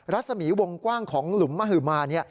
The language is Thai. รัศมีวงกว้างของหลุมมหมา